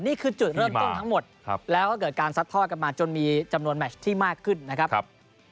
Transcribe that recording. นี่คือจุดเริ่มต้นทั้งหมดแล้วก็เกิดการซัดทอดกันมาจนมีจำนวนแมชที่มากขึ้นนะครับ